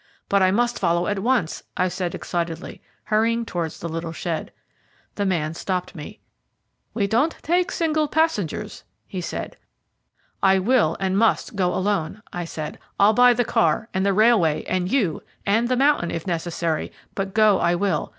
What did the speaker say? "But I must follow at once," I said excitedly, hurrying towards the little shed. The man stopped me. "We don't take single passengers," he answered. "I will, and must, go alone," I said. "I'll buy the car, and the railway, and you, and the mountain, if necessary, but go I will.